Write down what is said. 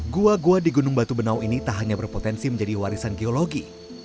gua gua di gunung batu benau ini tak hanya berpotensi menjadi warisan geologi